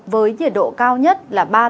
với nhiệt độ cao nhất là